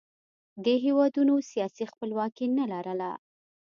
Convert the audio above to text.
دې هېوادونو سیاسي خپلواکي نه لرله